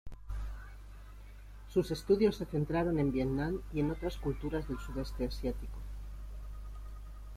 Sus estudios se centraron en Vietnam y en otras culturas del Sudeste Asiático.